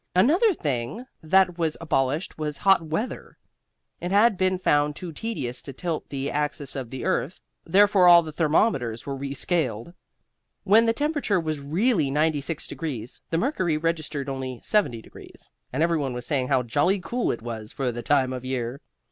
Another thing that was abolished was hot weather. It had been found too tedious to tilt the axis of the earth, therefore all the thermometers were re scaled. When the temperature was really 96 degrees, the mercury registered only 70 degrees, and every one was saying how jolly cool it was for the time of year.